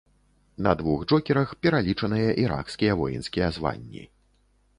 На двух джокерах пералічаныя іракскія воінскія званні.